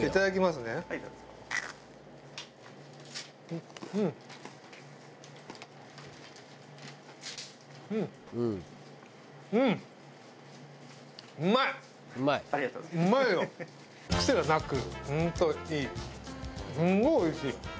すごいおいしい！